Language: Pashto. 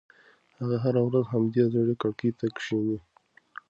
هغه هره ورځ همدې زړې کړکۍ ته کښېني.